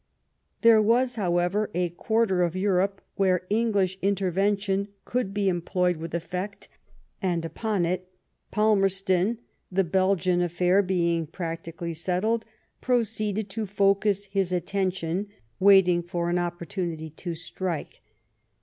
There was, however, a quarter of Europe where English intervention could be employed with effect, and upon it Palmerston, the Belgian affair being practically settled^ proceeded to focus his atten tion, waiting for an opportunity to strike.